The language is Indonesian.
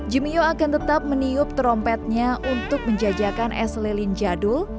jumio akan tetap meniup trompetnya untuk menjajakan es lelin jadul